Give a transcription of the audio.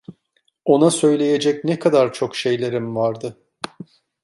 Ona söyleyecek ne kadar çok şeylerim vardı.